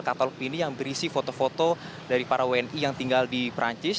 katalog ini yang berisi foto foto dari para wni yang tinggal di perancis